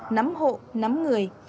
nắm hộ nắm người